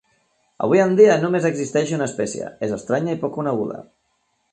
Avui en dia només existeix una espècie, és estranya i poc coneguda.